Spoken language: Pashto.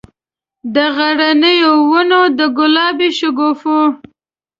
د غرنیو ونو، د ګلابي شګوفو،